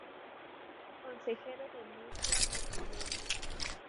Consejero de Mutua Madrileña.